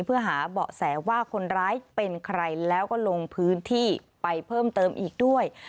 เพื่อหาเบาะแสว่าคนร้ายเป็นใครแล้วก็ลงพื้นที่ไปเพิ่มเติมอีกด้วย